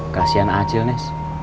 kasian acil nes